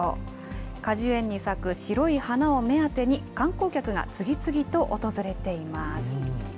果樹園に咲く、白い花を目当てに、観光客が次々と訪れています。